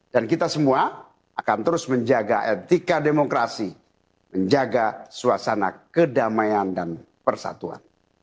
dan kita semua akan terus menjaga etika demokrasi menjaga suasana kedamaian dan persatuan